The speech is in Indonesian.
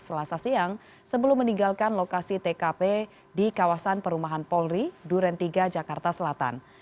selasa siang sebelum meninggalkan lokasi tkp di kawasan perumahan polri duren tiga jakarta selatan